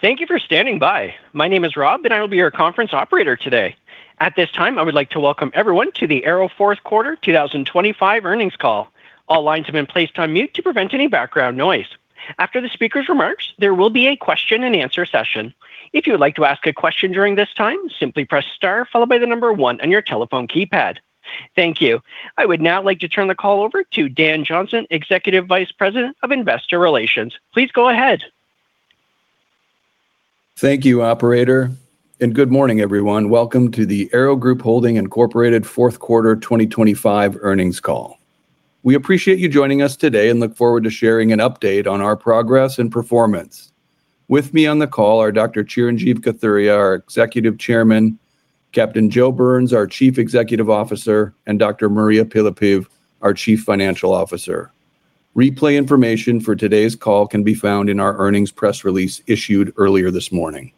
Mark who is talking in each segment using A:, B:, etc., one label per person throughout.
A: Thank you for standing by. My name is Rob and I will be your conference operator today. At this time, I would like to welcome everyone to the AIRO fourth quarter 2025 earnings call. All lines have been placed on mute to prevent any background noise. After the speaker's remarks, there will be a question and answer session. If you would like to ask a question during this time, simply press star followed by the number one on your telephone keypad. Thank you. I would now like to turn the call over to Dan Johnson, Executive Vice President of Investor Relations. Please go ahead.
B: Thank you, operator, and good morning, everyone. Welcome to the AIRO Group Holdings, Inc. fourth quarter 2025 earnings call. We appreciate you joining us today and look forward to sharing an update on our progress and performance. With me on the call are Dr. Chirinjeev Kathuria, our Executive Chairman, Captain Joe Burns, our Chief Executive Officer, and Dr. Mariya Pylypiv, our Chief Financial Officer. Replay information for today's call can be found in our earnings press release issued earlier this morning.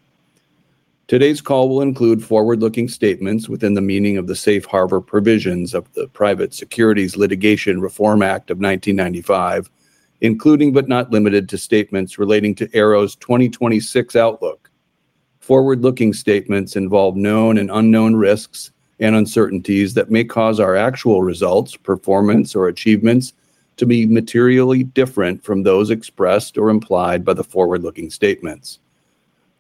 B: Today's call will include forward-looking statements within the meaning of the Safe Harbor Provisions of the Private Securities Litigation Reform Act of 1995, including but not limited to statements relating to AIRO's 2026 outlook. Forward-looking statements involve known and unknown risks and uncertainties that may cause our actual results, performance, or achievements to be materially different from those expressed or implied by the forward-looking statements.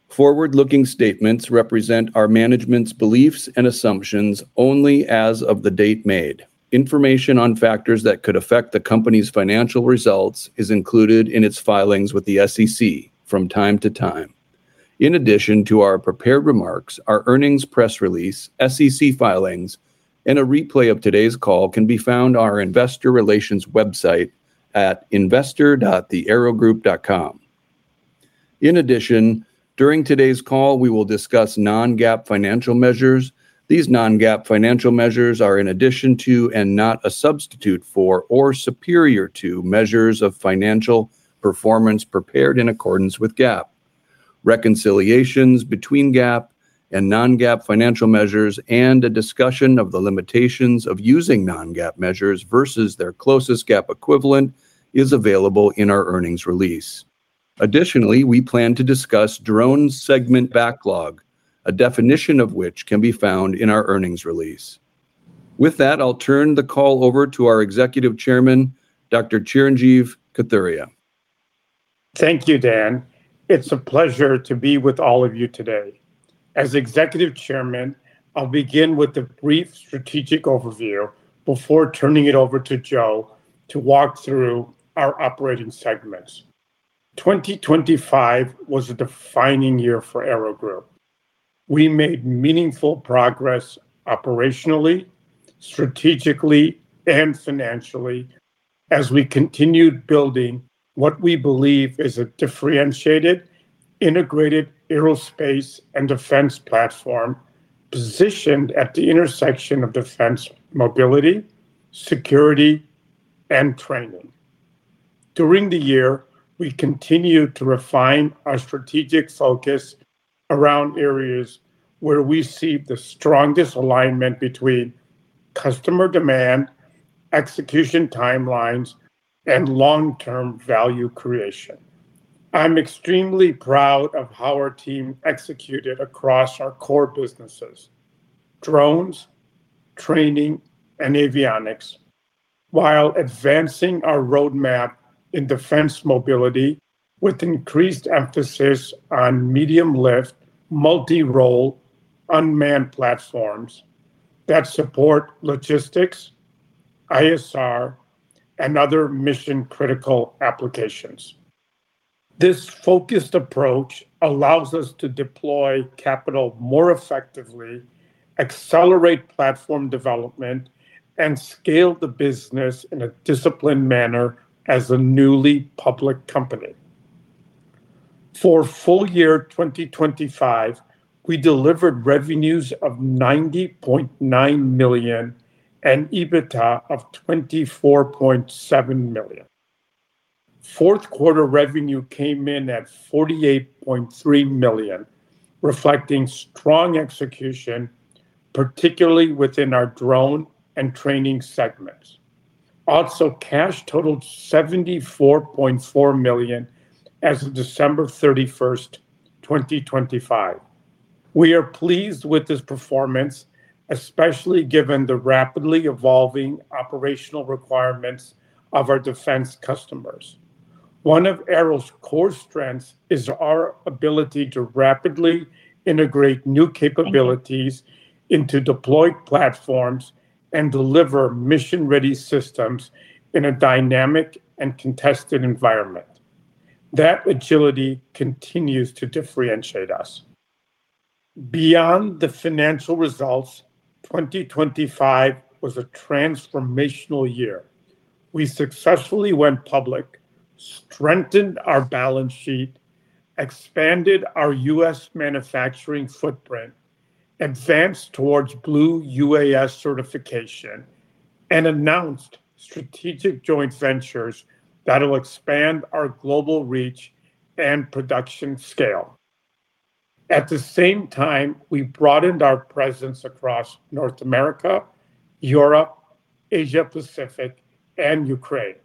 B: Forward-looking statements represent our management's beliefs and assumptions only as of the date made. Information on factors that could affect the company's financial results is included in its filings with the SEC from time to time. In addition to our prepared remarks, our earnings press release, SEC filings, and a replay of today's call can be found on our investor relations website at investor.theairogroup.com. In addition, during today's call, we will discuss non-GAAP financial measures. These non-GAAP financial measures are in addition to and not a substitute for or superior to measures of financial performance prepared in accordance with GAAP. Reconciliations between GAAP and non-GAAP financial measures and a discussion of the limitations of using non-GAAP measures versus their closest GAAP equivalent is available in our earnings release. Additionally, we plan to discuss drone segment backlog, a definition of which can be found in our earnings release. With that, I'll turn the call over to our Executive Chairman, Dr. Chirinjeev Kathuria.
C: Thank you, Dan. It's a pleasure to be with all of you today. As Executive Chairman, I'll begin with a brief strategic overview before turning it over to Joe to walk through our operating segments. 2025 was a defining year for AIRO Group. We made meaningful progress operationally, strategically, and financially as we continued building what we believe is a differentiated, integrated aerospace and defense platform positioned at the intersection of defense mobility, security, and training. During the year, we continued to refine our strategic focus around areas where we see the strongest alignment between customer demand, execution timelines, and long-term value creation. I'm extremely proud of how our team executed across our core businesses, drones, training, and avionics, while advancing our roadmap in defense mobility with increased emphasis on medium-lift, multi-role unmanned platforms that support logistics, ISR, and other mission-critical applications. This focused approach allows us to deploy capital more effectively, accelerate platform development, and scale the business in a disciplined manner as a newly public company. For full year 2025, we delivered revenues of $90.9 million and EBITDA of $24.7 million. Fourth quarter revenue came in at $48.3 million, reflecting strong execution, particularly within our drone and training segments. Also, cash totaled $74.4 million as of December 31, 2025. We are pleased with this performance, especially given the rapidly evolving operational requirements of our defense customers. One of AIRO's core strengths is our ability to rapidly integrate new capabilities into deployed platforms and deliver mission-ready systems in a dynamic and contested environment. That agility continues to differentiate us. Beyond the financial results, 2025 was a transformational year. We successfully went public, strengthened our balance sheet, expanded our U.S. manufacturing footprint, advanced towards Blue UAS certification, and announced strategic joint ventures that'll expand our global reach and production scale. At the same time, we broadened our presence across North America, Europe, Asia-Pacific, and Ukraine.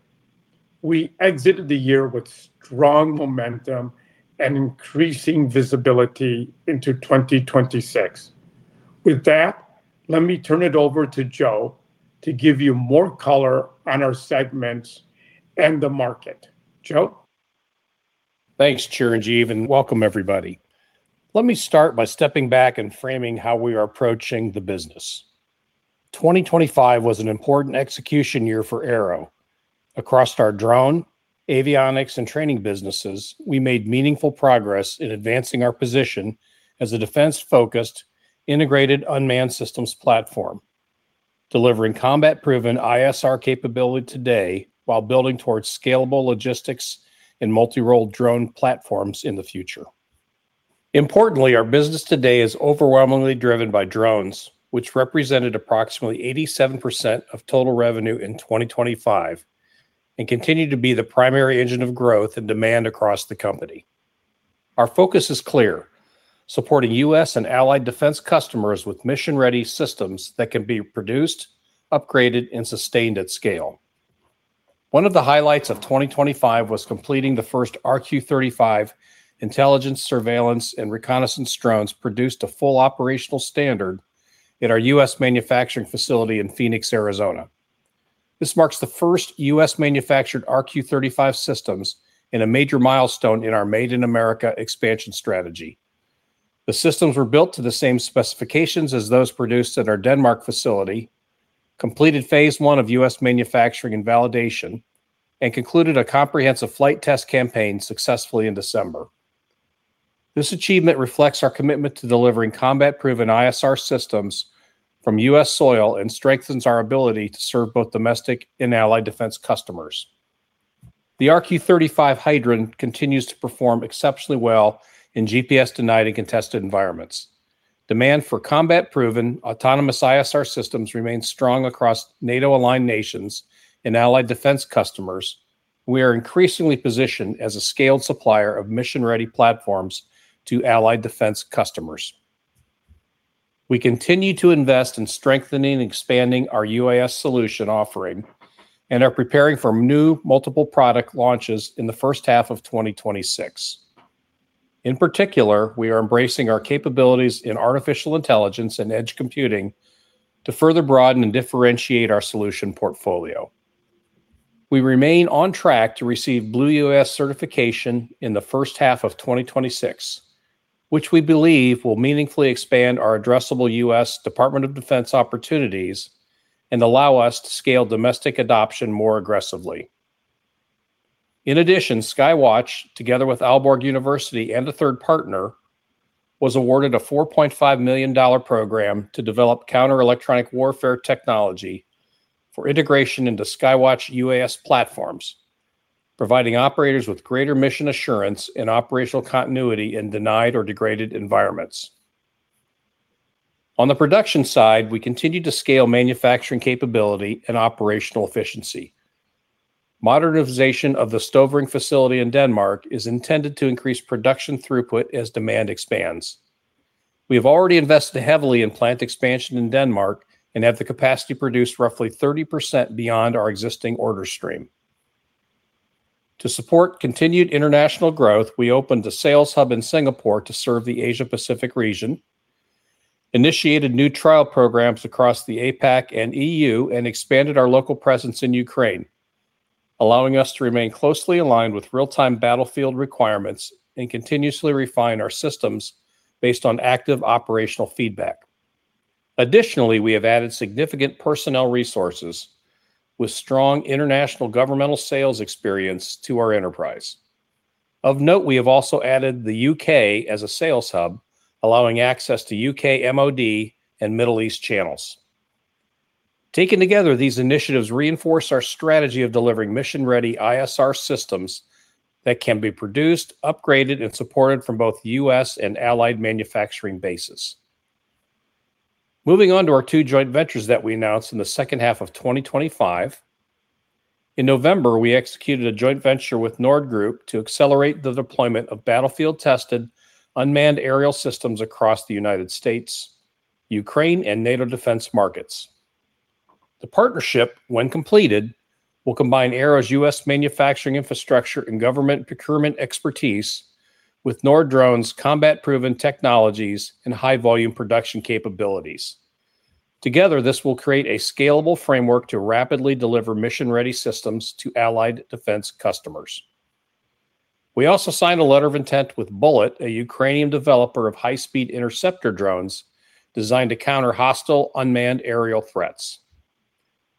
C: We exited the year with strong momentum and increasing visibility into 2026. With that, let me turn it over to Joe to give you more color on our segments and the market. Joe?
D: Thanks, Chirinjeev, and welcome everybody. Let me start by stepping back and framing how we are approaching the business. 2025 was an important execution year for AIRO. Across our drone, avionics, and training businesses, we made meaningful progress in advancing our position as a defense-focused, integrated unmanned systems platform, delivering combat-proven ISR capability today while building towards scalable logistics and multi-role drone platforms in the future. Importantly, our business today is overwhelmingly driven by drones, which represented approximately 87% of total revenue in 2025 and continue to be the primary engine of growth and demand across the company. Our focus is clear: supporting U.S. and allied defense customers with mission-ready systems that can be produced, upgraded, and sustained at scale. One of the highlights of 2025 was completing the first RQ-35 intelligence, surveillance, and reconnaissance drones produced to full operational standard at our U.S. manufacturing facility in Phoenix, Arizona. This marks the first U.S.-manufactured RQ-35 systems and a major milestone in our Made in America expansion strategy. The systems were built to the same specifications as those produced at our Denmark facility, completed phase I of U.S. manufacturing and validation, and concluded a comprehensive flight test campaign successfully in December. This achievement reflects our commitment to delivering combat-proven ISR systems from U.S. soil and strengthens our ability to serve both domestic and allied defense customers. The RQ-35 Heidrun continues to perform exceptionally well in GPS-denied and contested environments. Demand for combat-proven, autonomous ISR systems remains strong across NATO-aligned nations and allied defense customers. We are increasingly positioned as a scaled supplier of mission-ready platforms to allied defense customers. We continue to invest in strengthening and expanding our UAS solution offering and are preparing for new multiple product launches in the first half of 2026. In particular, we are embracing our capabilities in artificial intelligence and edge computing to further broaden and differentiate our solution portfolio. We remain on track to receive Blue UAS certification in the first half of 2026, which we believe will meaningfully expand our addressable U.S. Department of Defense opportunities and allow us to scale domestic adoption more aggressively. In addition, Sky-Watch, together with Aalborg University and a third partner, was awarded a $4.5 million program to develop counter-electronic warfare technology for integration into Sky-Watch UAS platforms, providing operators with greater mission assurance and operational continuity in denied or degraded environments. On the production side, we continue to scale manufacturing capability and operational efficiency. Modernization of the Støvring facility in Denmark is intended to increase production throughput as demand expands. We have already invested heavily in plant expansion in Denmark and have the capacity to produce roughly 30% beyond our existing order stream. To support continued international growth, we opened a sales hub in Singapore to serve the Asia-Pacific region, initiated new trial programs across the APAC and EU, and expanded our local presence in Ukraine, allowing us to remain closely aligned with real-time battlefield requirements and continuously refine our systems based on active operational feedback. Additionally, we have added significant personnel resources with strong international governmental sales experience to our enterprise. Of note, we have also added the U.K. as a sales hub, allowing access to U.K. MOD and Middle East channels. Taken together, these initiatives reinforce our strategy of delivering mission-ready ISR systems that can be produced, upgraded, and supported from both U.S. and allied manufacturing bases. Moving on to our two joint ventures that we announced in the second half of 2025. In November, we executed a joint venture with Nord-Drone Group to accelerate the deployment of battlefield-tested unmanned aerial systems across the United States, Ukraine, and NATO defense markets. The partnership, when completed, will combine AIRO's U.S. manufacturing infrastructure and government procurement expertise with Nord Drone's combat-proven technologies and high-volume production capabilities. Together, this will create a scalable framework to rapidly deliver mission-ready systems to allied defense customers. We also signed a letter of intent with Bullet, a Ukrainian developer of high-speed interceptor drones designed to counter hostile unmanned aerial threats.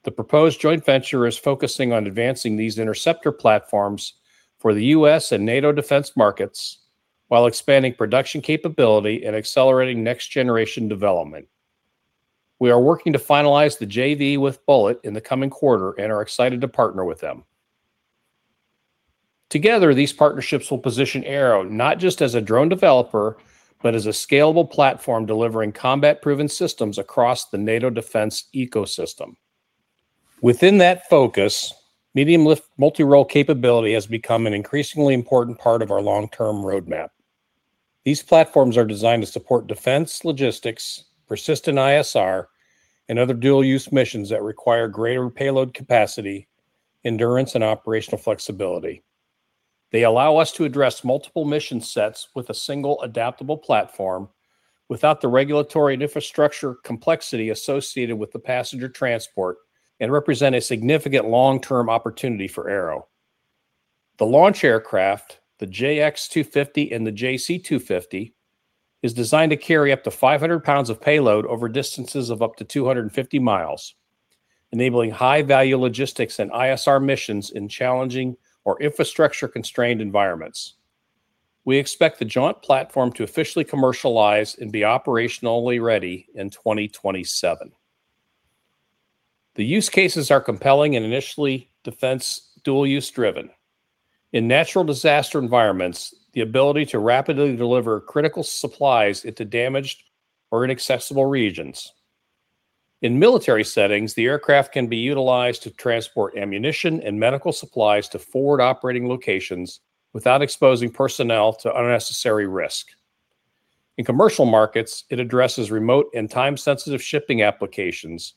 D: The proposed joint venture is focusing on advancing these interceptor platforms for the U.S. and NATO defense markets while expanding production capability and accelerating next-generation development. We are working to finalize the JV with Bullet in the coming quarter and are excited to partner with them. Together, these partnerships will position AIRO not just as a drone developer, but as a scalable platform delivering combat-proven systems across the NATO defense ecosystem. Within that focus, medium-lift multi-role capability has become an increasingly important part of our long-term roadmap. These platforms are designed to support defense, logistics, persistent ISR, and other dual-use missions that require greater payload capacity, endurance, and operational flexibility. They allow us to address multiple mission sets with a single adaptable platform without the regulatory and infrastructure complexity associated with the passenger transport and represent a significant long-term opportunity for AIRO. The launch aircraft, the JX-250 and the JC-250, is designed to carry up to 500 lbs of payload over distances of up to 250 mi, enabling high-value logistics and ISR missions in challenging or infrastructure-constrained environments. We expect the Jaunt platform to officially commercialize and be operationally ready in 2027. The use cases are compelling and initially defense dual-use driven, in natural disaster environments the ability to rapidly deliver critical supplies into damaged or inaccessible regions. In military settings, the aircraft can be utilized to transport ammunition and medical supplies to forward operating locations without exposing personnel to unnecessary risk. In commercial markets, it addresses remote and time-sensitive shipping applications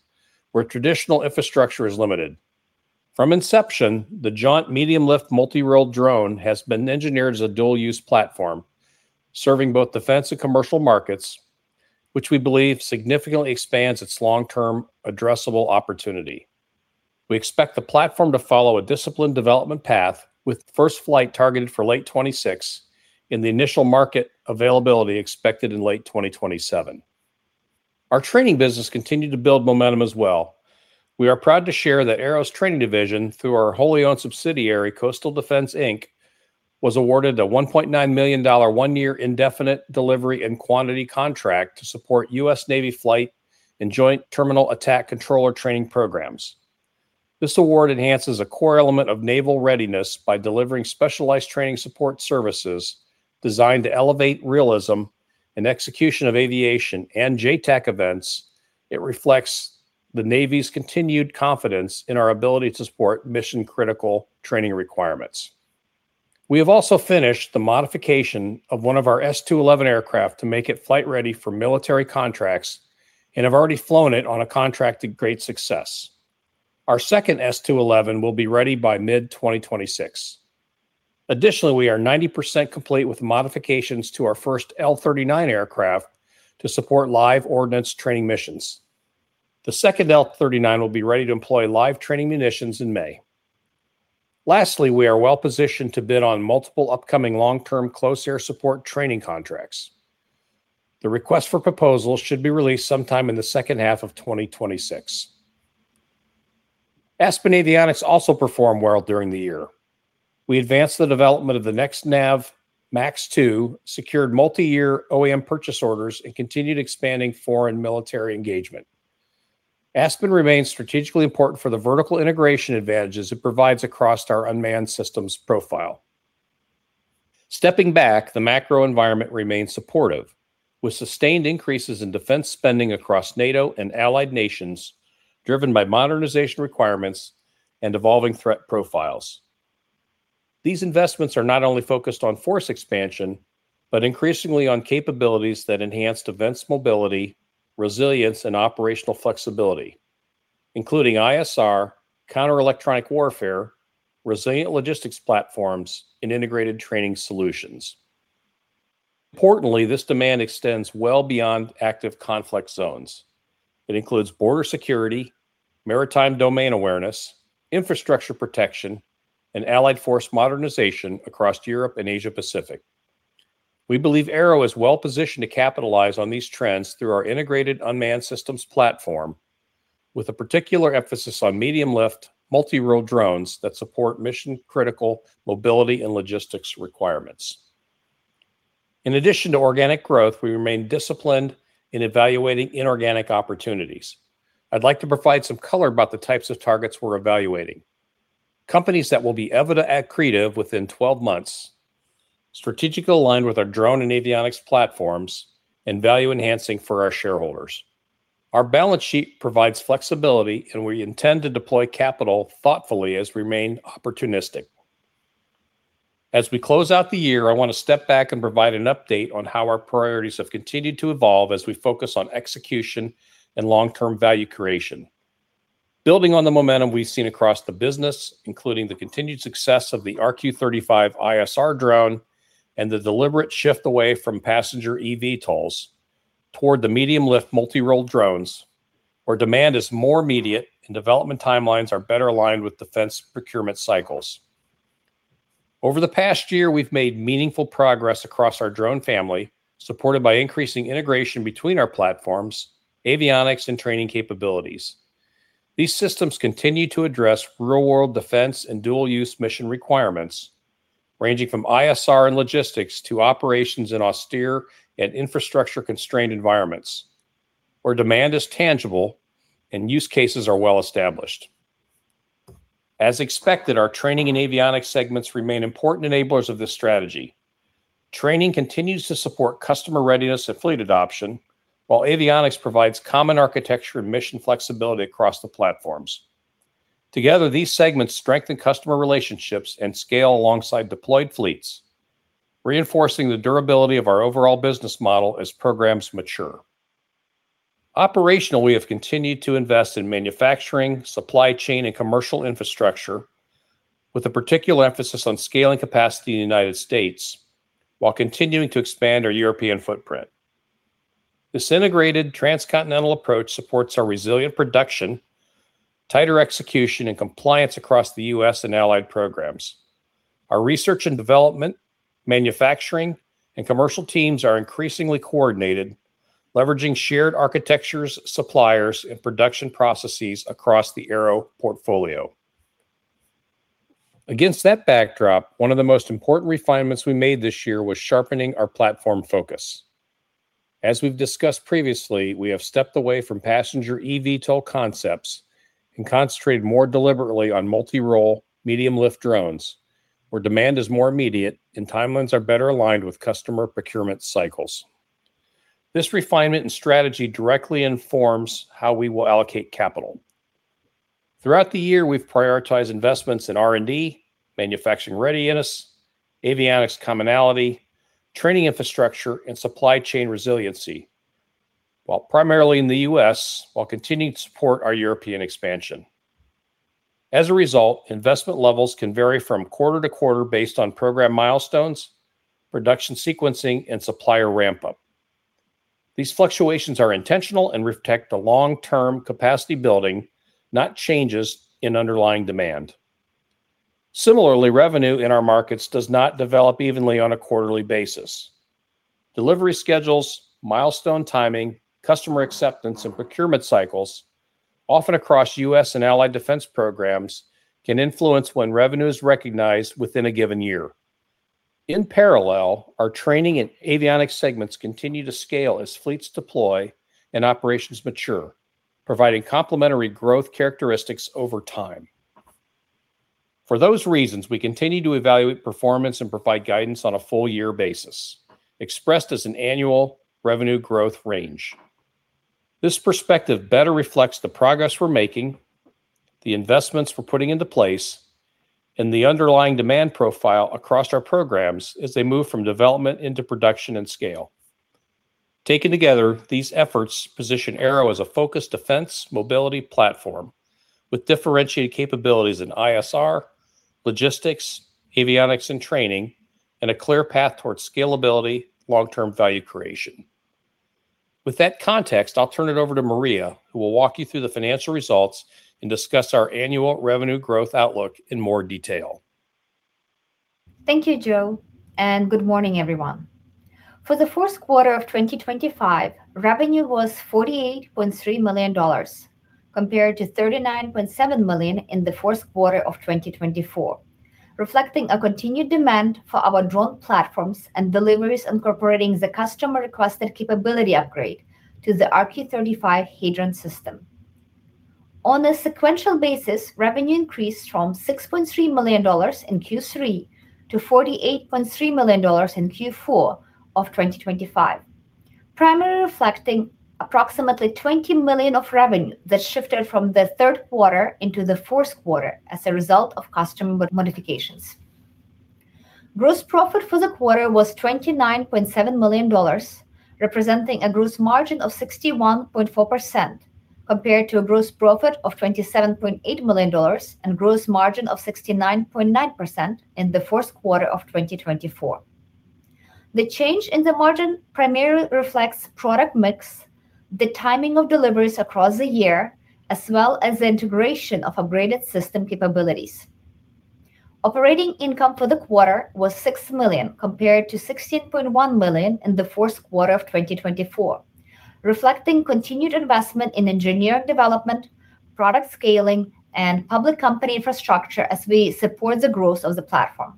D: where traditional infrastructure is limited. From inception, the Jaunt medium-lift multi-role drone has been engineered as a dual-use platform, serving both defense and commercial markets, which we believe significantly expands its long-term addressable opportunity. We expect the platform to follow a disciplined development path with first flight targeted for late 2026 in the initial market availability expected in late 2027. Our training business continued to build momentum as well. We are proud to share that AIRO's training division, through our wholly owned subsidiary, Coastal Defense Inc., was awarded a $1.9 million one-year indefinite delivery and quantity contract to support U.S. Navy flight and joint terminal attack controller training programs. This award enhances a core element of naval readiness by delivering specialized training support services designed to elevate realism and execution of aviation and JTAC events. It reflects the Navy's continued confidence in our ability to support mission-critical training requirements. We have also finished the modification of one of our S-211 aircraft to make it flight-ready for military contracts and have already flown it on a contract to great success. Our second S-211 will be ready by mid-2026. Additionally, we are 90% complete with modifications to our first L-39 aircraft to support live ordnance training missions. The second L-39 will be ready to employ live training munitions in May. Lastly, we are well-positioned to bid on multiple upcoming long-term close air support training contracts. The request for proposals should be released sometime in the second half of 2026. Aspen Avionics also performed well during the year. We advanced the development of the NexNav MAX 2, secured multi-year OEM purchase orders, and continued expanding foreign military engagement. Aspen remains strategically important for the vertical integration advantages it provides across our unmanned systems profile. Stepping back, the macro environment remains supportive, with sustained increases in defense spending across NATO and allied nations driven by modernization requirements and evolving threat profiles. These investments are not only focused on force expansion, but increasingly on capabilities that enhance defense mobility, resilience, and operational flexibility, including ISR, counter-electronic warfare, resilient logistics platforms, and integrated training solutions. Importantly, this demand extends well beyond active conflict zones. It includes border security, maritime domain awareness, infrastructure protection, and allied force modernization across Europe and Asia-Pacific. We believe AIRO is well-positioned to capitalize on these trends through our integrated unmanned systems platform, with a particular emphasis on medium-lift multi-role drones that support mission-critical mobility and logistics requirements. In addition to organic growth, we remain disciplined in evaluating inorganic opportunities. I'd like to provide some color about the types of targets we're evaluating. Companies that will be accretive within 12 months, strategically aligned with our drone and avionics platforms, and value-enhancing for our shareholders. Our balance sheet provides flexibility, and we intend to deploy capital thoughtfully as we remain opportunistic. As we close out the year, I want to step back and provide an update on how our priorities have continued to evolve as we focus on execution and long-term value creation. Building on the momentum we've seen across the business, including the continued success of the RQ-35 ISR drone and the deliberate shift away from passenger eVTOLs toward the medium-lift multi-role drones, where demand is more immediate and development timelines are better aligned with defense procurement cycles. Over the past year, we've made meaningful progress across our drone family, supported by increasing integration between our platforms, avionics, and training capabilities. These systems continue to address real-world defense and dual-use mission requirements, ranging from ISR and logistics to operations in austere and infrastructure-constrained environments, where demand is tangible and use cases are well-established. As expected, our training and avionics segments remain important enablers of this strategy. Training continues to support customer readiness and fleet adoption, while avionics provides common architecture and mission flexibility across the platforms. Together, these segments strengthen customer relationships and scale alongside deployed fleets, reinforcing the durability of our overall business model as programs mature. Operationally, we have continued to invest in manufacturing, supply chain, and commercial infrastructure with a particular emphasis on scaling capacity in the United States while continuing to expand our European footprint. This integrated transcontinental approach supports our resilient production, tighter execution, and compliance across the U.S. and allied programs. Our research and development, manufacturing, and commercial teams are increasingly coordinated, leveraging shared architectures, suppliers, and production processes across the AIRO portfolio. Against that backdrop, one of the most important refinements we made this year was sharpening our platform focus. As we've discussed previously, we have stepped away from passenger eVTOL concepts and concentrated more deliberately on multi-role, medium-lift drones where demand is more immediate and timelines are better aligned with customer procurement cycles. This refinement and strategy directly informs how we will allocate capital. Throughout the year, we've prioritized investments in R&D, manufacturing readiness, avionics commonality, training infrastructure, and supply chain resiliency, while primarily in the U.S., while continuing to support our European expansion. As a result, investment levels can vary from quarter to quarter based on program milestones, production sequencing, and supplier ramp-up. These fluctuations are intentional and reflect the long-term capacity building, not changes in underlying demand. Similarly, revenue in our markets does not develop evenly on a quarterly basis. Delivery schedules, milestone timing, customer acceptance, and procurement cycles, often across U.S. and allied defense programs, can influence when revenue is recognized within a given year. In parallel, our training and avionics segments continue to scale as fleets deploy and operations mature, providing complementary growth characteristics over time. For those reasons, we continue to evaluate performance and provide guidance on a full-year basis, expressed as an annual revenue growth range. This perspective better reflects the progress we're making, the investments we're putting into place, and the underlying demand profile across our programs as they move from development into production and scale. Taken together, these efforts position AIRO as a focused defense mobility platform with differentiated capabilities in ISR, logistics, avionics and training, and a clear path towards scalability, long-term value creation. With that context, I'll turn it over to Mariya, who will walk you through the financial results and discuss our annual revenue growth outlook in more detail.
E: Thank you, Joe, and good morning, everyone. For the fourth quarter of 2025, revenue was $48.3 million compared to $39.7 million in the fourth quarter of 2024, reflecting a continued demand for our drone platforms and deliveries incorporating the customer-requested capability upgrade to the RQ-35 Heidrun system. On a sequential basis, revenue increased from $6.3 million in Q3 to $48.3 million in Q4 of 2025, primarily reflecting approximately $20 million of revenue that shifted from the third quarter into the fourth quarter as a result of customer modifications. Gross profit for the quarter was $29.7 million, representing a gross margin of 61.4%, compared to a gross profit of $27.8 million and gross margin of 69.9% in the fourth quarter of 2024. The change in the margin primarily reflects product mix, the timing of deliveries across the year, as well as the integration of upgraded system capabilities. Operating income for the quarter was $6 million, compared to $16.1 million in the fourth quarter of 2024, reflecting continued investment in engineering development, product scaling, and public company infrastructure as we support the growth of the platform.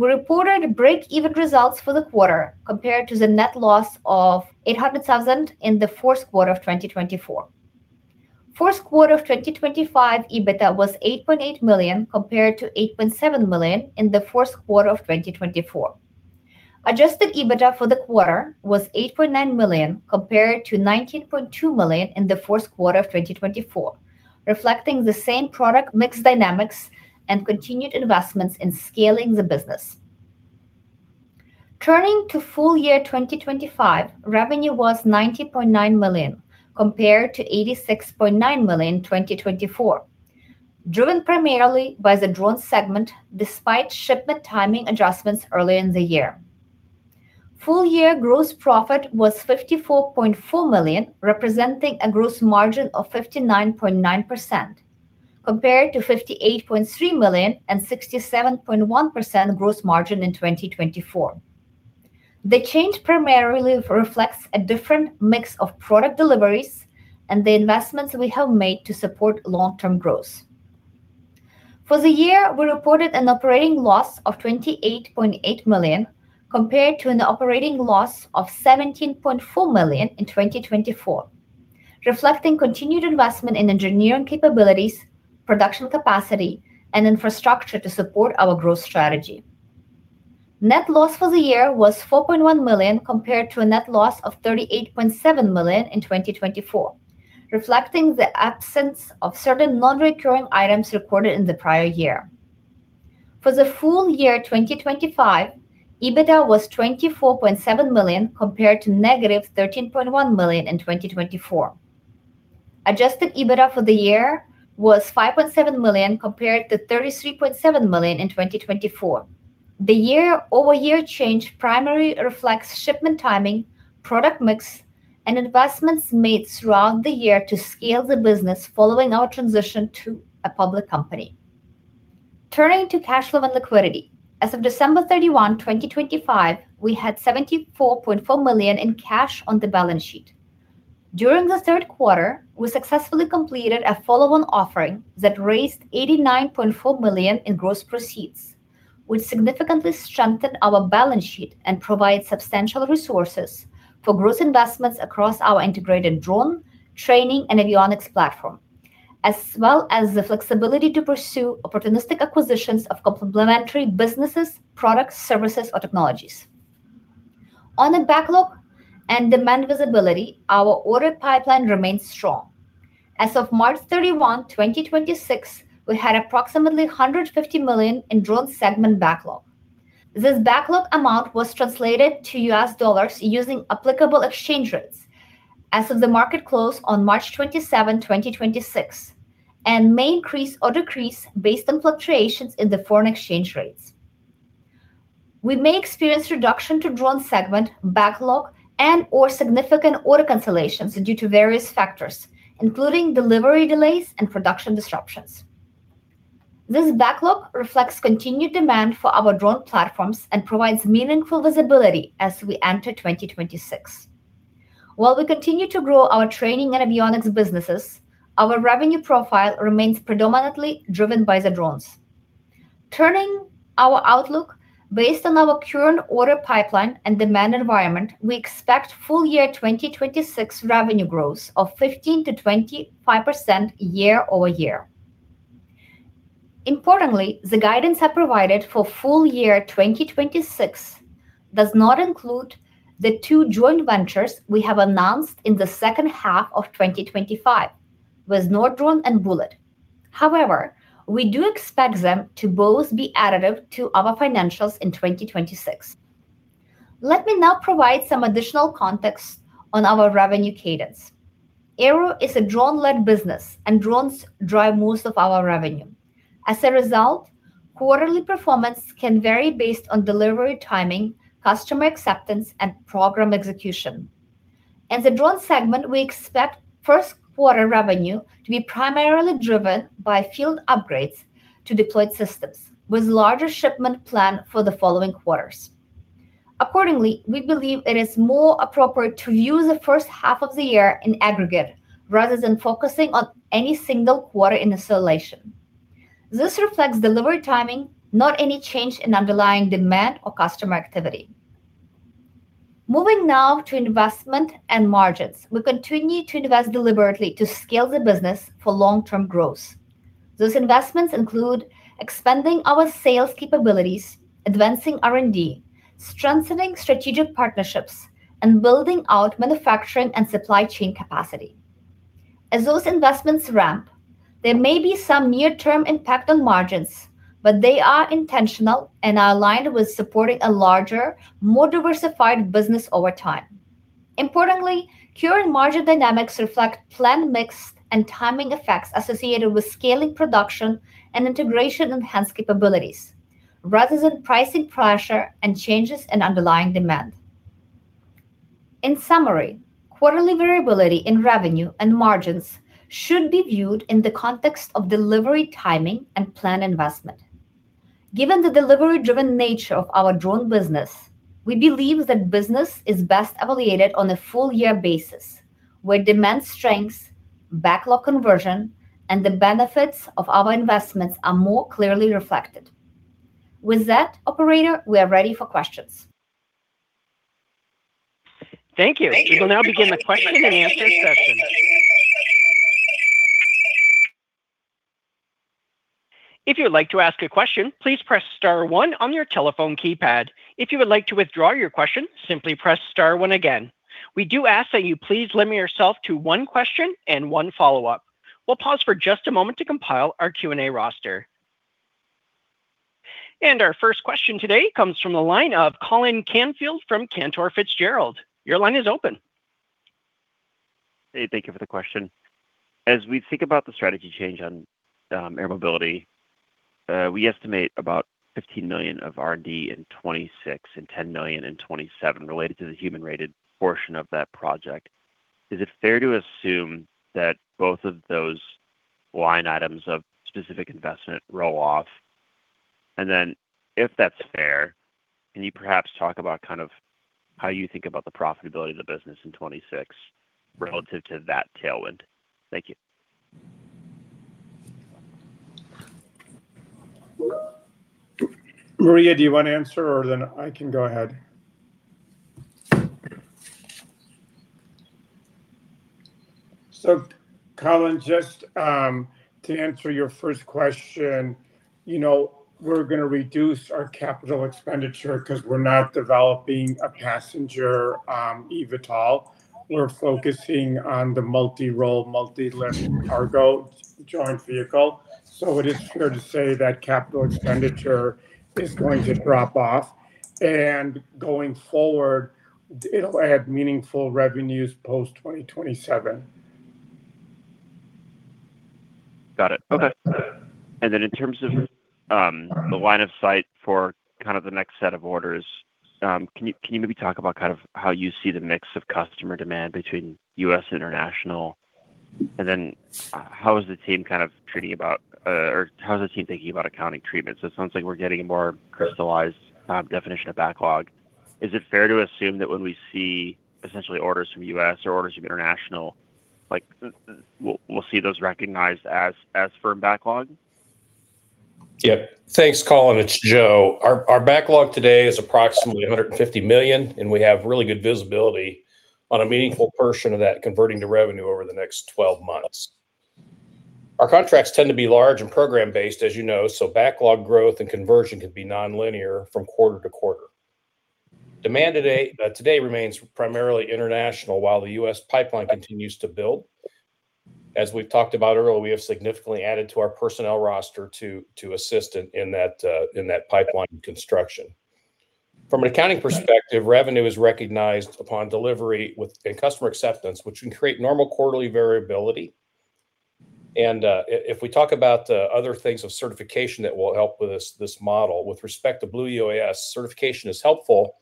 E: We reported break-even results for the quarter compared to the net loss of $800,000 in the fourth quarter of 2024. Fourth quarter of 2025 EBITDA was $8.8 million, compared to $8.7 million in the fourth quarter of 2024. Adjusted EBITDA for the quarter was $8.9 million, compared to $19.2 million in the fourth quarter of 2024, reflecting the same product mix dynamics and continued investments in scaling the business. Turning to full year 2025, revenue was $90.9 million, compared to $86.9 million in 2024, driven primarily by the drone segment despite shipment timing adjustments early in the year. Full year gross profit was $54.4 million, representing a gross margin of 59.9%, compared to $58.3 million and 67.1% gross margin in 2024. The change primarily reflects a different mix of product deliveries and the investments we have made to support long-term growth. For the year, we reported an operating loss of $28.8 million, compared to an operating loss of $17.4 million in 2024, reflecting continued investment in engineering capabilities, production capacity, and infrastructure to support our growth strategy. Net loss for the year was $4.1 million compared to a net loss of $38.7 million in 2024, reflecting the absence of certain non-recurring items recorded in the prior year. For the full year 2025, EBITDA was $24.7 million compared to -$13.1 million in 2024. Adjusted EBITDA for the year was $5.7 million compared to $33.7 million in 2024. The year-over-year change primarily reflects shipment timing, product mix, and investments made throughout the year to scale the business following our transition to a public company. Turning to cash flow and liquidity. As of December 31, 2025, we had $74.4 million in cash on the balance sheet. During the third quarter, we successfully completed a follow-on offering that raised $89.4 million in gross proceeds, which significantly strengthened our balance sheet and provides substantial resources for growth investments across our integrated drone training and avionics platform, as well as the flexibility to pursue opportunistic acquisitions of complementary businesses, products, services, or technologies. On the backlog and demand visibility, our order pipeline remains strong. As of March 31, 2026, we had approximately $150 million in drone segment backlog. This backlog amount was translated to U.S. dollars using applicable exchange rates as of the market close on March 27, 2026, and may increase or decrease based on fluctuations in the foreign exchange rates. We may experience reduction to drone segment backlog and/or significant order cancellations due to various factors, including delivery delays and production disruptions. This backlog reflects continued demand for our drone platforms and provides meaningful visibility as we enter 2026. While we continue to grow our training and avionics businesses, our revenue profile remains predominantly driven by the drones. Turning our outlook based on our current order pipeline and demand environment, we expect full year 2026 revenue growth of 15%-25% year-over-year. Importantly, the guidance I provided for full year 2026 does not include the two joint ventures we have announced in the second half of 2025 with Nord Drone and Bullet. However, we do expect them to both be additive to our financials in 2026. Let me now provide some additional context on our revenue cadence. AIRO is a drone-led business, and drones drive most of our revenue. As a result, quarterly performance can vary based on delivery timing, customer acceptance, and program execution. In the drone segment, we expect first quarter revenue to be primarily driven by field upgrades to deployed systems, with larger shipment planned for the following quarters. Accordingly, we believe it is more appropriate to view the first half of the year in aggregate rather than focusing on any single quarter in isolation. This reflects delivery timing, not any change in underlying demand or customer activity. Moving now to investment and margins. We continue to invest deliberately to scale the business for long-term growth. Those investments include expanding our sales capabilities, advancing R&D, strengthening strategic partnerships, and building out manufacturing and supply chain capacity. As those investments ramp, there may be some near-term impact on margins, but they are intentional and are aligned with supporting a larger, more diversified business over time. Importantly, current margin dynamics reflect planned mix and timing effects associated with scaling production and integration-enhanced capabilities rather than pricing pressure and changes in underlying demand. In summary, quarterly variability in revenue and margins should be viewed in the context of delivery timing and planned investment. Given the delivery-driven nature of our drone business, we believe that business is best evaluated on a full year basis where demand strengths, backlog conversion, and the benefits of our investments are more clearly reflected. With that, operator, we are ready for questions.
A: Thank you. We will now begin the question and answer session. If you would like to ask a question, please press star one on your telephone keypad. If you would like to withdraw your question, simply press star one again. We do ask that you please limit yourself to one question and one follow-up. We'll pause for just a moment to compile our Q&A roster. Our first question today comes from the line of Colin Canfield from Cantor Fitzgerald. Your line is open.
F: Hey, thank you for the question. As we think about the strategy change on air mobility, we estimate about $15 million of R&D in 2026 and $10 million in 2027 related to the human-rated portion of that project. Is it fair to assume that both of those line items of specific investment roll off? If that's fair, can you perhaps talk about kind of how you think about the profitability of the business in 2026 relative to that tailwind? Thank you.
C: Mariya, do you want to answer or then I can go ahead? Colin, just to answer your first question, you know, we're gonna reduce our capital expenditure because we're not developing a passenger eVTOL. We're focusing on the multi-role, medium-lift cargo joint vehicle. It is fair to say that capital expenditure is going to drop off. Going forward, it'll add meaningful revenues post 2027.
F: Got it. Okay. In terms of the line of sight for kind of the next set of orders, can you maybe talk about kind of how you see the mix of customer demand between U.S. international? How is the team thinking about accounting treatment? It sounds like we're getting a more crystallized definition of backlog. Is it fair to assume that when we see essentially orders from U.S. or orders from international, like we'll see those recognized as firm backlog?
D: Yep. Thanks Colin, it's Joe. Our backlog today is approximately $150 million, and we have really good visibility on a meaningful portion of that converting to revenue over the next 12 months. Our contracts tend to be large and program-based, as you know, so backlog growth and conversion can be nonlinear from quarter to quarter. Demand today remains primarily international while the U.S. pipeline continues to build. As we've talked about earlier, we have significantly added to our personnel roster to assist in that pipeline construction. From an accounting perspective, revenue is recognized upon delivery with a customer acceptance, which can create normal quarterly variability. If we talk about other things of certification that will help with this model, with respect to Blue UAS, certification is helpful,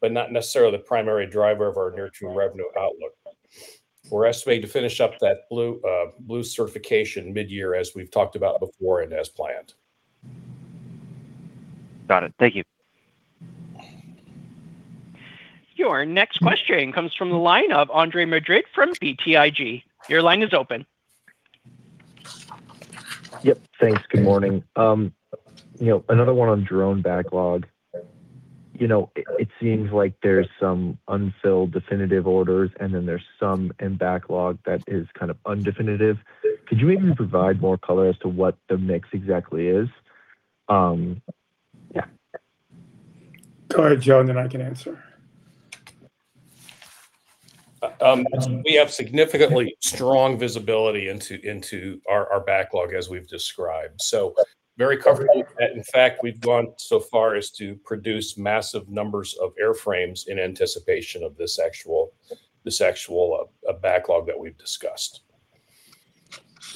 D: but not necessarily the primary driver of our near-term revenue outlook. We're estimating to finish up that Blue certification mid-year as we've talked about before and as planned.
F: Got it. Thank you.
A: Your next question comes from the line of Andre Madrid from BTIG. Your line is open.
G: Yep. Thanks. Good morning. You know, another one on drone backlog. You know, it seems like there's some unfilled definitive orders and then there's some in backlog that is kind of undefinitive. Could you maybe provide more color as to what the mix exactly is? Yeah.
C: Go ahead, Joe, and then I can answer.
D: We have significantly strong visibility into our backlog as we've described. Very comfortable. In fact, we've gone so far as to produce massive numbers of airframes in anticipation of this actual backlog that we've discussed.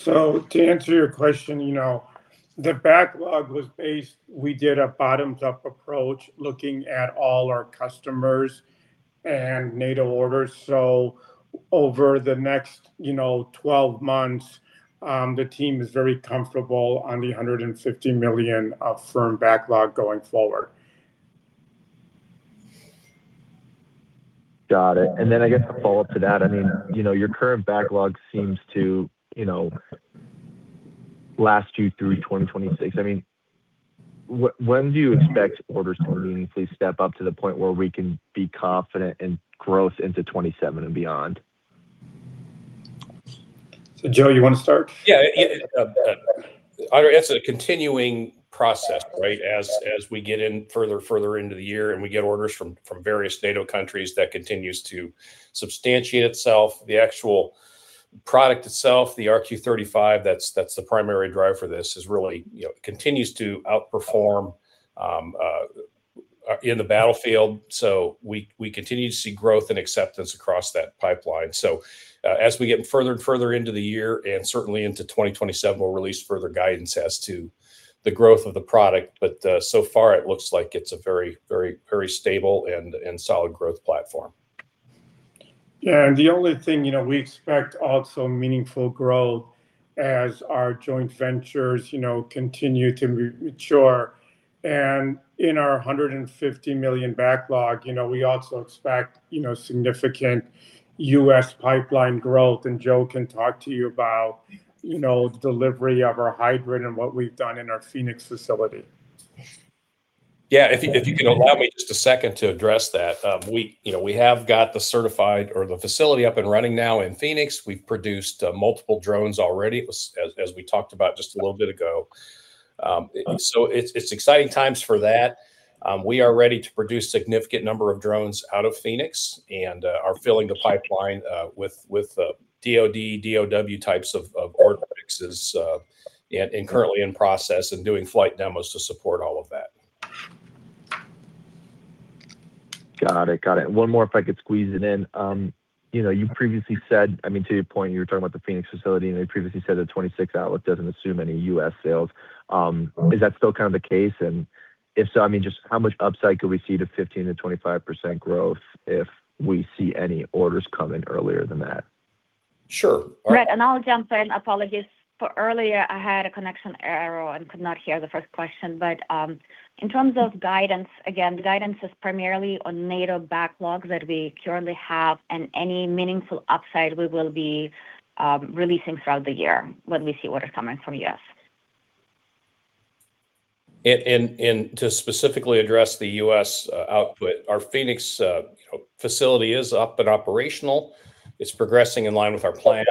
C: To answer your question, you know, the backlog was based, we did a bottoms-up approach looking at all our customers and NATO orders. Over the next, you know, 12 months, the team is very comfortable on the $150 million of firm backlog going forward.
G: Got it. I guess a follow-up to that. I mean, you know, your current backlog seems to, you know, last you through 2026. I mean, when do you expect orders to meaningfully step up to the point where we can be confident in growth into 2027 and beyond?
C: Joe, you wanna start?
D: Yeah. Andre, it's a continuing process, right? As we get in further into the year and we get orders from various NATO countries, that continues to substantiate itself. The actual product itself, the RQ-35, that's the primary drive for this, is really, you know, continues to outperform in the battlefield. We continue to see growth and acceptance across that pipeline. As we get further into the year and certainly into 2027, we'll release further guidance as to the growth of the product. So far it looks like it's a very stable and solid growth platform.
C: Yeah. The only thing, you know, we expect also meaningful growth as our joint ventures, you know, continue to re-mature. In our $150 million backlog, you know, we also expect, you know, significant U.S. pipeline growth. Joe can talk to you about, you know, delivery of our hybrid and what we've done in our Phoenix facility.
D: If you can allow me just a second to address that. We have got the certified facility up and running now in Phoenix. We've produced multiple drones already, as we talked about just a little bit ago. It's exciting times for that. We are ready to produce significant number of drones out of Phoenix and are filling the pipeline with DoD types of orders, which is currently in process and doing flight demos to support all of that.
G: Got it. One more if I could squeeze it in. You know, you previously said, I mean, to your point, you were talking about the Phoenix facility, and you previously said the 2026 outlook doesn't assume any U.S. sales. Is that still kind of the case? If so, I mean, just how much upside could we see to 15%-25% growth if we see any orders come in earlier than that?
D: Sure.
E: Right. I'll jump in. Apologies for earlier. I had a connection error and could not hear the first question. In terms of guidance, again, the guidance is primarily on NATO backlogs that we currently have, and any meaningful upside we will be releasing throughout the year when we see orders coming from U.S.
D: To specifically address the U.S. output, our Phoenix facility is up and operational. It's progressing in line with our plan.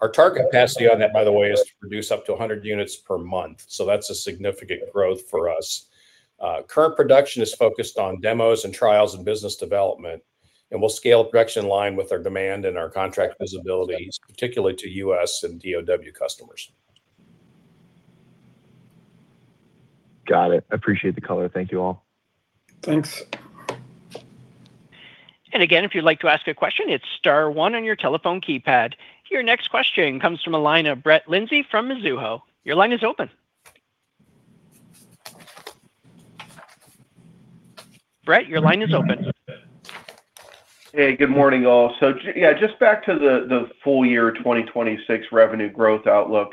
D: Our target capacity on that, by the way, is to produce up to 100 units per month. That's a significant growth for us. Current production is focused on demos and trials and business development, and we'll scale production in line with our demand and our contract visibilities, particularly to U.S. and DoD customers.
G: Got it. Appreciate the color. Thank you all.
C: Thanks.
A: Again, if you'd like to ask a question, it's star one on your telephone keypad. Your next question comes from a line of Brett Linzey from Mizuho. Your line is open. Brett, your line is open.
H: Hey, good morning, all. Just back to the full year 2026 revenue growth outlook.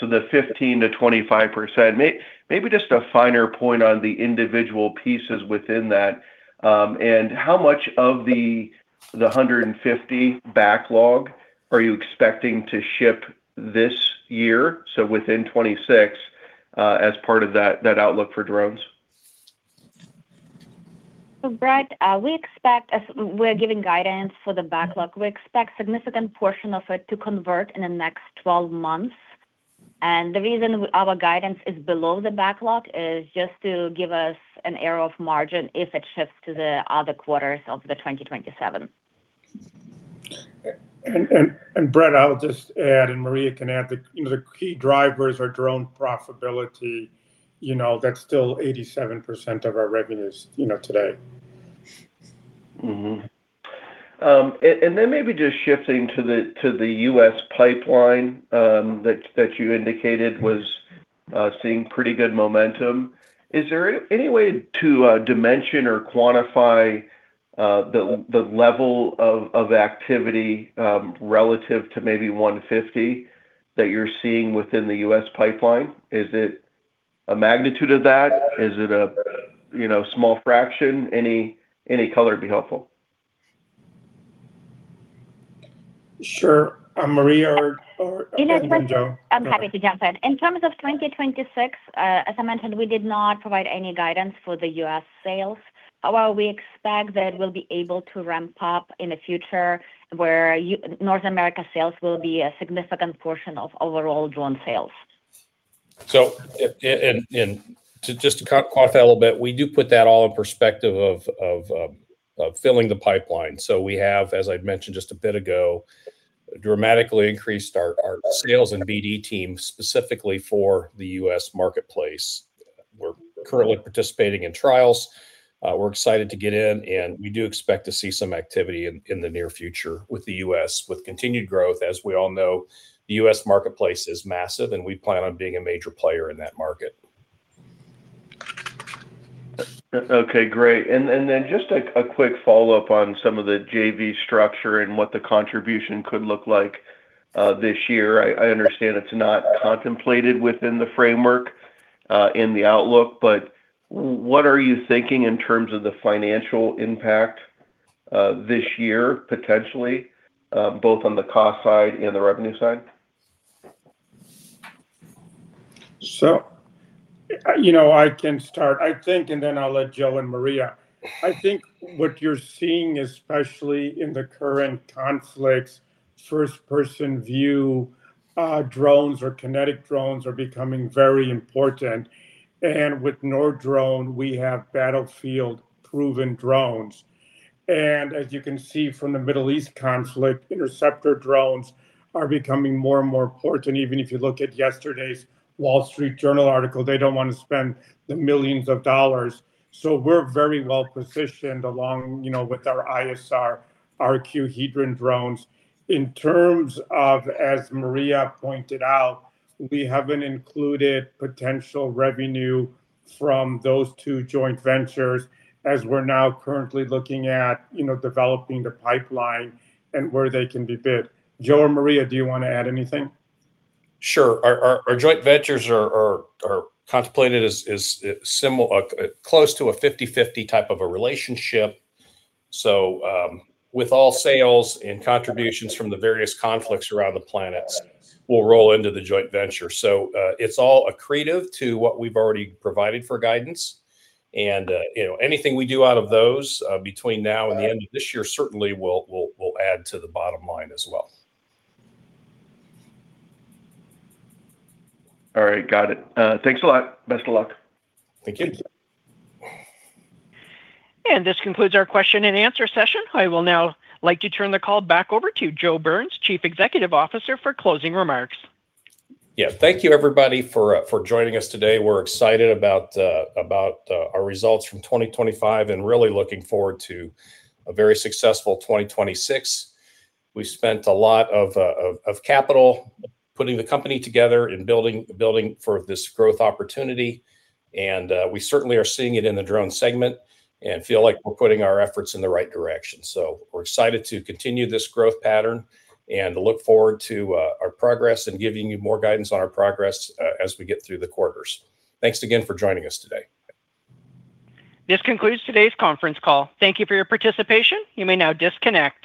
H: The 15%-25%. Maybe just a finer point on the individual pieces within that. And how much of the 150 backlog are you expecting to ship this year, so within 2026, as part of that outlook for drones?
E: Brett, we're giving guidance for the backlog. We expect significant portion of it to convert in the next 12 months. The reason our guidance is below the backlog is just to give us a margin of error if it shifts to the other quarters of 2027.
C: Brett, I would just add, and Mariya can add, you know, the key drivers are drone profitability. You know, that's still 87% of our revenues, you know, today.
H: Maybe just shifting to the U.S. pipeline that you indicated was seeing pretty good momentum. Is there any way to dimension or quantify the level of activity relative to maybe 150 that you're seeing within the U.S. pipeline? Is it a magnitude of that? Is it, you know, a small fraction? Any color would be helpful.
C: Sure. Mariya or even Joe.
E: You know, Brett, I'm happy to jump in. In terms of 2026, as I mentioned, we did not provide any guidance for the U.S. sales. However, we expect that we'll be able to ramp up in the future where U.S. North America sales will be a significant portion of overall drone sales.
D: To qualify that a little bit, we do put that all in perspective of filling the pipeline. We have, as I'd mentioned just a bit ago, dramatically increased our sales and BD team specifically for the U.S. marketplace. We're currently participating in trials. We're excited to get in, and we do expect to see some activity in the near future with the U.S. with continued growth. As we all know, the U.S. marketplace is massive, and we plan on being a major player in that market.
H: Okay, great. Then just a quick follow-up on some of the JV structure and what the contribution could look like this year. I understand it's not contemplated within the framework in the outlook, but what are you thinking in terms of the financial impact this year potentially, both on the cost side and the revenue side?
C: You know, I can start, I think, and then I'll let Joe and Maria. I think what you're seeing, especially in the current conflicts, first-person view drones or kinetic drones are becoming very important. With Nord Drone, we have battlefield-proven drones. As you can see from the Middle East conflict, interceptor drones are becoming more and more important. Even if you look at yesterday's Wall Street Journal article, they don't want to spend the millions of dollars. We're very well-positioned along, you know, with our ISR, our Heidrun drones. In terms of, as Maria pointed out, we haven't included potential revenue from those two joint ventures as we're now currently looking at, you know, developing the pipeline and where they can be bid. Joe or Maria, do you wanna add anything?
D: Sure. Our joint ventures are contemplated as similar, close to a 50/50 type of a relationship. With all sales and contributions from the various conflicts around the planet will roll into the joint venture. It's all accretive to what we've already provided for guidance. You know, anything we do out of those between now and the end of this year certainly will add to the bottom line as well.
H: All right. Got it. Thanks a lot. Best of luck.
D: Thank you.
A: This concludes our question and answer session. I will now like to turn the call back over to Joe Burns, Chief Executive Officer, for closing remarks.
D: Yeah. Thank you, everybody, for joining us today. We're excited about our results from 2025 and really looking forward to a very successful 2026. We spent a lot of capital putting the company together and building for this growth opportunity. We certainly are seeing it in the drone segment and feel like we're putting our efforts in the right direction. We're excited to continue this growth pattern and look forward to our progress and giving you more guidance on our progress as we get through the quarters. Thanks again for joining us today.
A: This concludes today's conference call. Thank you for your participation. You may now disconnect.